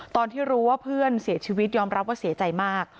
ตอนที่รู้ว่าเพื่อนเสียชีวิตยอมรับว่าเสียใจมาก